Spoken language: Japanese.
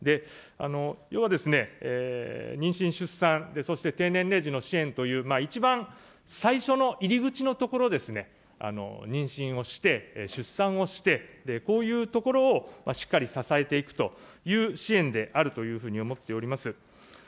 要は妊娠・出産、そして低年齢児の支援という、一番最初の入り口のところですね、妊娠をして出産をして、こういうところをしっかり支えていくという支援であるというふうに思っております。